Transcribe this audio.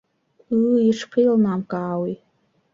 Ыы, ишԥеилнамкаауеи!